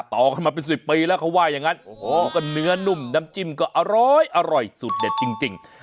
ต่อกันมาเป็น๑๐ปีแล้วเขาว่าอย่างนั้นโอ้โหก็เนื้อนุ่มน้ำจิ้มก็อร้อยสูตรเด็ดจริง